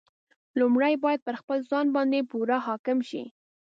لومړی باید پر خپل ځان باندې پوره حاکم شي.